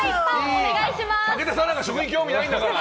武田さんなんか食に興味がないんだから！